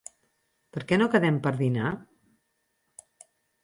Per què no quedem per dinar?